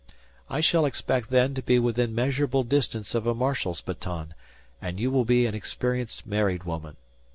I shall expect then to be within measurable distance of a marshal's baton and you will be an experienced married woman.